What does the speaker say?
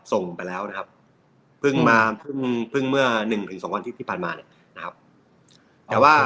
ส่งไปแล้วนะครับเพิ่งมาเพิ่งเมื่อ๑๒วันที่ผ่านมานะครับ